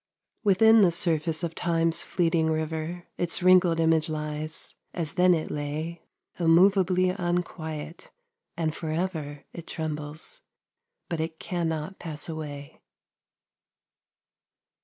Within the surface of Time's fleeting river 31 Its wrinkled image lies, as then it lay Immovably unquiet, and for ever It trembles, but it cannot pass away!